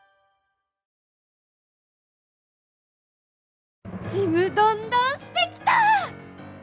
ちむどんどんしてきた！